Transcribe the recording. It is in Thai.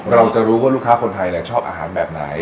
เราจะรู้ว่าลูกค้าคนไทยชอบอาหารแบบไหน